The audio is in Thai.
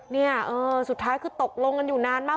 เนี่ยเออสุดท้ายคือตกลงกันอยู่นานมาก